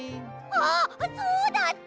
あっそうだった！